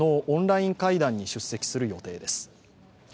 オンライン会談に出席する予定です。